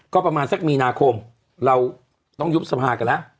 ก็ประมาณสักมีนาคมเราต้องยุบสภากันแล้ว